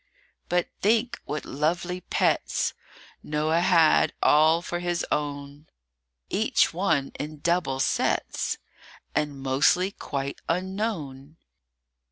BUT think what lovely pets Noah had all for his own; Each one in double sets, And mostly quite unknown.